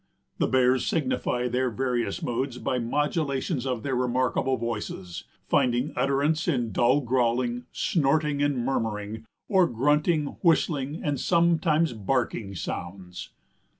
The Bears signify their various moods by modulations of their remarkable voices, finding utterance in dull growling, snorting and murmuring, or grunting, whistling and sometimes barking sounds."